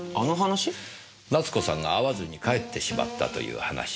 奈津子さんが会わずに帰ってしまったという話。